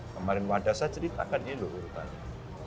kemarin wadah saya ceritakan ini loh urutannya